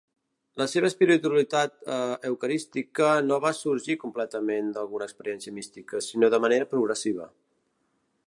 La seva espiritualitat eucarística no va sorgir completament d'alguna experiència mística, sinó de manera progressiva.